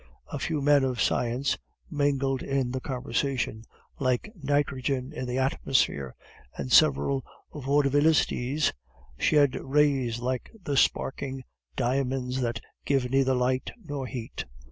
A few men of science mingled in the conversation, like nitrogen in the atmosphere, and several vaudevillistes shed rays like the sparking diamonds that give neither light nor heat.